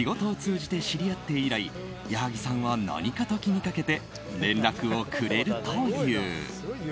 仕事を通じて知り合って以来矢作さんは何かと気にかけて連絡をくれるという。